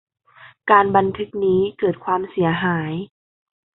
การบันทึกนี้เกิดความเสียหาย